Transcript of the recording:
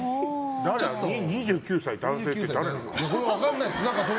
２９歳、男性って誰なの？